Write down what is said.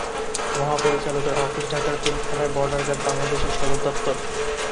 মহাপরিচালকের office ঢাকার পিলখানায় border guard বাংলাদেশর সদর দপ্তর।